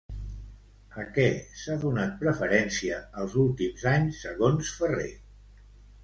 A què s'ha donat preferència els últims anys segons Ferrer?